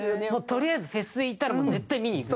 とりあえずフェス行ったら絶対見に行く。